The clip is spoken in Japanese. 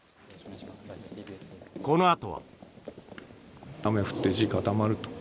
このあとは。